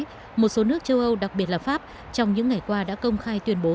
trước đó một số nước châu âu đặc biệt là pháp trong những ngày qua đã công khai tuyên bố